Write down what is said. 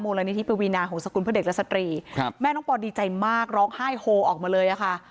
มูลนิธิปวินาของสกุลพระเด็กและสตรีแม่น้องปอดีใจมากร้องไห้โฮออกมาเลยค่ะ